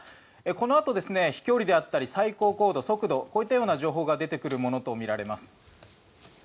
このあと、飛距離だったり最高高度、速度こういったような情報が出てくるものとみられます。